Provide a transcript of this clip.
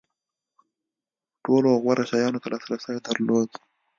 ټولو غوره شیانو ته لاسرسی درلود.